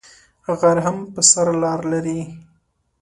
غر هم پر سر لار لری